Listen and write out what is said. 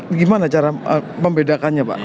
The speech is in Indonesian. bagaimana cara membedakannya pak